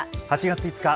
８月５日